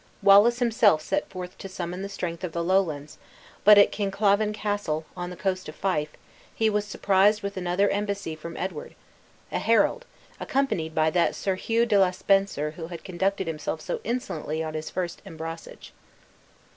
Wallace himself set forward to summon the strength of the Lowlands; but at Kinclavin Castle, on the coast of Fife, he was surprised with another embassy from Edward a herald, accompanied by that Sir Hugh le de Spencer who had conducted himself so insolently on his first embrassage.